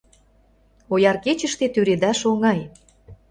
Ояр кечыште тӱредаш оҥай.